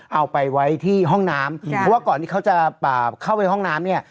เอาไปไว้ที่ห้องน้ำเพราะว่าก่อนที่เขาจะเข้าไปห้องน้ำเนี่ย